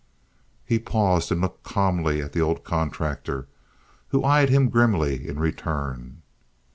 He paused and looked calmly at the old contractor, who eyed him grimly in return.